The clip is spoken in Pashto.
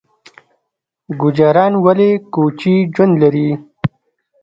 ګوجران ولې کوچي ژوند لري؟